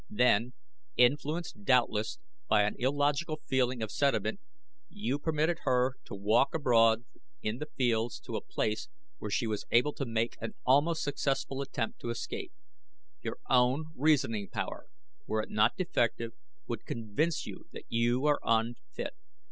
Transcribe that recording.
Then, influenced doubtless by an illogical feeling of sentiment, you permitted her to walk abroad in the fields to a place where she was able to make an almost successful attempt to escape. Your own reasoning power, were it not defective, would convince you that you are unfit.